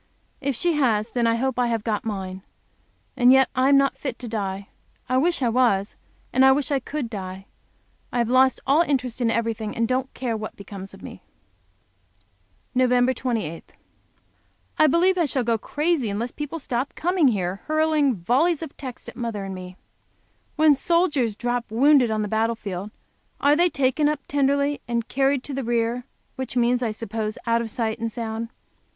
If she has, then I hope I have got mine. And yet I am not fit to die. I wish I was, and I wish I could die. I have lost all interest in everything, and don't care what becomes of me. Nov. 23. I believe I shall go crazy unless people stop coming here, hurling volleys of texts at mother and at me. When soldiers drop wounded on the battle field, they are taken up tenderly and carried "to the rear," which means, I suppose, out of sight and sound.